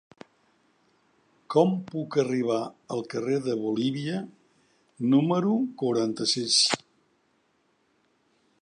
Com puc arribar al carrer de Bolívia número quaranta-sis?